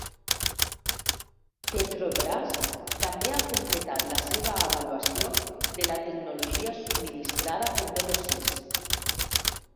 Petrobras també ha completat la seva avaluació de la tecnologia subministrada per Velocys.